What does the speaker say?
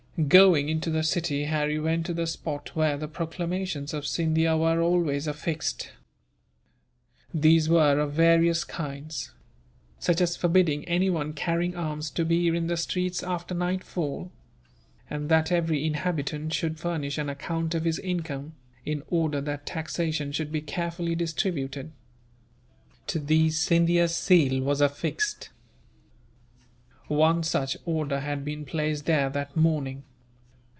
Going into the city, Harry went to the spot where the proclamations of Scindia were always affixed. These were of various kinds; such as forbidding anyone carrying arms to be in the streets after nightfall; and that every inhabitant should furnish an account of his income, in order that taxation should be carefully distributed. To these Scindia's seal was affixed. One such order had been placed there that morning.